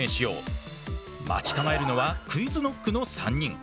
待ち構えるのはＱｕｉｚＫｎｏｃｋの３人。